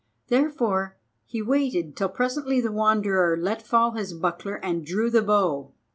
Therefore he waited till presently the Wanderer let fall his buckler and drew the bow.